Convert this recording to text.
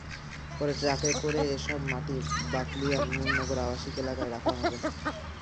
পরে ট্রাকে করে এসব মাটি বাকলিয়ার নূরনগর আবাসিক এলাকায় রাখা হবে।